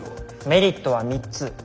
メリットは３つ。